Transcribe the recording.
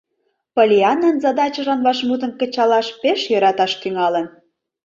Поллианнан задачыжлан вашмутым кычалаш пеш йӧраташ тӱҥалын.